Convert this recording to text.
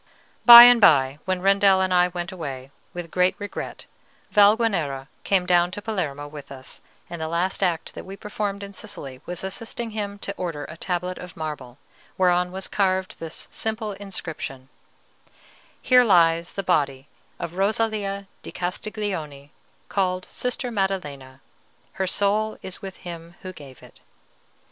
By and by, when Rendel and I went away, with great regret, Valguanera came down to Palermo with us; and the last act that we performed in Sicily was assisting him to order a tablet of marble, whereon was carved this simple inscription: HERE LIES THE BODY OF ROSALIA DI CASTIGLIONI, CALLED SISTER MADDELENA. HER SOUL IS WITH HIM WHO GAVE IT.